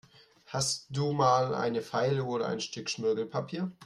Hast du mal eine Feile oder ein Stück Schmirgelpapier?